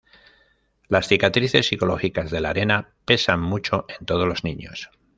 Las cicatrices psicológicas de la "Arena" pesan mucho en todos los niños.